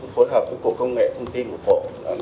phối hợp với cục công nghệ thông tin bộ cộng